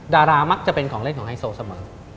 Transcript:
ดารามักจะเป็นของเล่นของไฮโซเสมอ